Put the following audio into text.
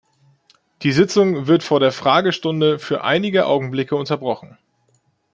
Die Sitzung wird vor der Fragestunde für einige Augenblicke unterbrochen.